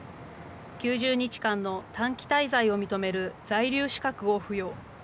９０日間の短期滞在を認める在留資格を付与。